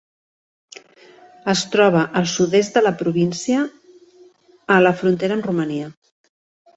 Es troba al sud-est de la província, a la frontera amb Romania.